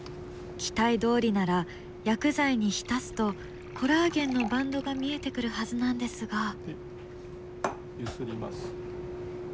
期待どおりなら薬剤に浸すとコラーゲンのバンドが見えてくるはずなんですが。